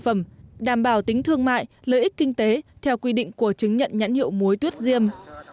phẩm đảm bảo tính thương mại lợi ích kinh tế theo quy định của chứng nhận nhãn hiệu muối tuyết diêm